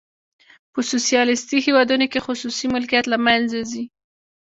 په سوسیالیستي هیوادونو کې خصوصي ملکیت له منځه ځي.